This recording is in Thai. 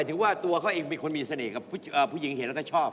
ส่วนคนจริงครับ